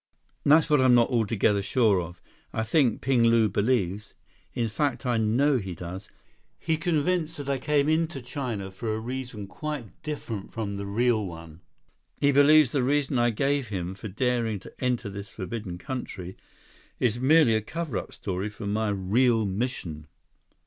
"That's what I'm not altogether sure of. I think Ping Lu believes—in fact, I know he does—he's convinced that I came into China for a reason quite different from the real one. He believes the reason I gave him for daring to enter this forbidden country is merely a cover up story for my real mission."